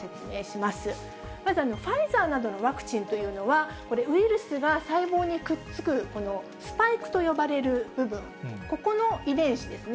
まずファイザーなどのワクチンというのは、これ、ウイルスが細胞にくっつくスパイクと呼ばれる部分、ここの遺伝子ですね。